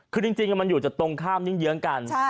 คือจริงมันอยู่จะตรงข้ามเยื้องกัน